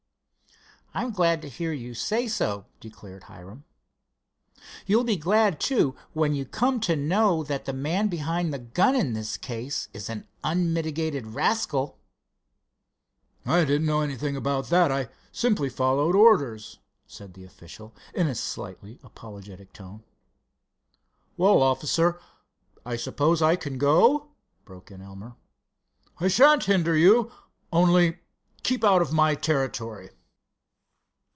"I'm glad to hear you say so," declared Hiram. "You'll be glad, too, when you come to know that the man behind the gun in this case is an unmitigated rascal." "I didn't know anything about that, I simply followed orders," said the official, in a slightly apologetic tone. "Well, good bye, officer, I suppose I can go?" broke in Elmer. "I shan't hinder you. Only keep out of my territory."